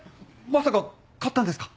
まさか勝ったんですか？